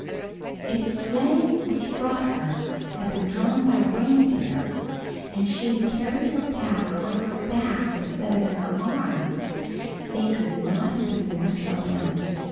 _ If the sleigh which brought her had been drawn by reindeer, and she had carried her pack on her back instead of in her arms, they could not have been more spellbound.